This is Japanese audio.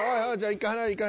一回離れ。